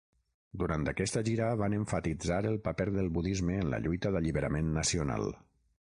Durant aquesta gira, van emfatitzar el paper del budisme en la lluita d'alliberament nacional.